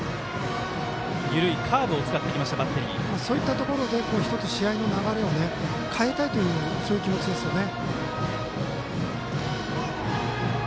そういったところで、１つ試合の流れを変えたいというそういう気持ちですよね。